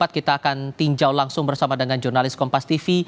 kita akan tinjau langsung bersama dengan jurnalis kompas tv